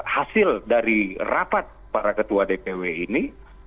hasil dari rapat para ketua dpw ini